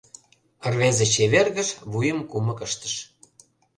Рвезе чевергыш, вуйым кумык ыштыш.